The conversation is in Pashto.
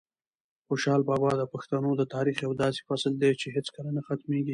خوشحال بابا د پښتنو د تاریخ یو داسې فصل دی چې هیڅکله نه ختمېږي.